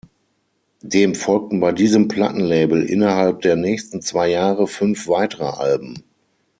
Dem folgten bei diesem Plattenlabel innerhalb der nächsten zwei Jahre fünf weitere Alben.